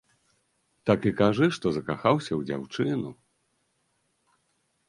Так і кажы, што закахаўся ў дзяўчыну.